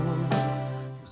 aku juga sikap banget